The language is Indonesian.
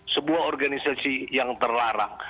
sebuah organisasi yang terlarang